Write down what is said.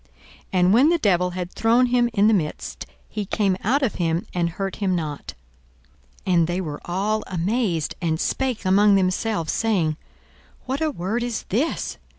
And when the devil had thrown him in the midst, he came out of him, and hurt him not. 42:004:036 And they were all amazed, and spake among themselves, saying, What a word is this!